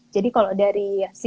jadi kalau dari